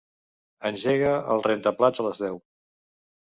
Engega el rentaplats a les deu.